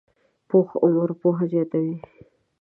پوخ عمر پوهه زیاته وي